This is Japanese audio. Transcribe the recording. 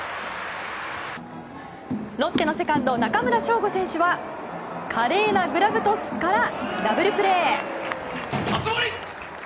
ロッテのセカンド中村奨吾選手は華麗なグラブトスからダブルプレー。